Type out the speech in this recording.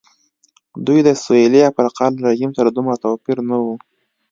دوی د سوېلي افریقا له رژیم سره دومره توپیر نه و.